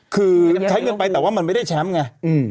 คือใช้เงินไปแต่ว่ามันไม่ได้แชมป์ไง